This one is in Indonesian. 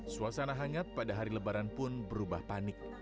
suasana hangat pada hari lebaran pun berubah panik